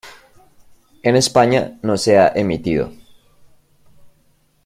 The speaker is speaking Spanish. En España no se ha emitido.